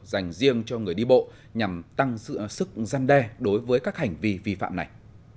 dành riêng cho người đi bộ nhằm tăng sự sức gian đe đối với các hành vi vi phạm này